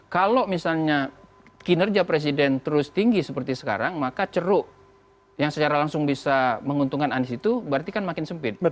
kalau misalnya kinerja presiden terus tinggi seperti sekarang maka ceruk yang secara langsung bisa menguntungkan anies itu berarti kan makin sempit